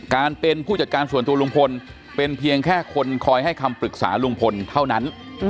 การเป็นผู้จัดการส่วนตัวลุงพลเป็นเพียงแค่คนคอยให้คำปรึกษาลุงพลเท่านั้น